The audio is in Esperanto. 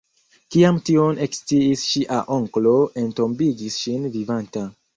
Kiam tion eksciis ŝia onklo entombigis ŝin vivanta.